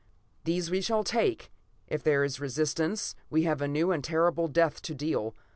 These we shall take. If there is resistance, we have a new and a terrible death to deal.